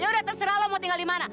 yaudah terserah lu mau tinggal di mana